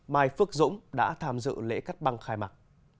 mai phước dũng đã tham dự lễ cắt băng khai mạc